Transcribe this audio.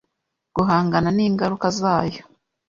guhangana n’ingaruka zayo.